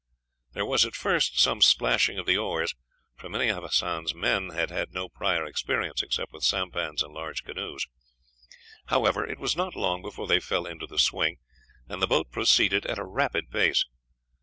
There was at first some splashing of the oars, for many of Hassan's men had had no prior experience except with sampans and large canoes. However, it was not long before they fell into the swing, and the boat proceeded at a rapid pace.